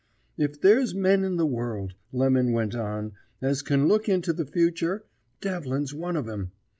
"'If there's men in the world,' Lemon went on, 'as can look into the future, Devlin's one of 'em.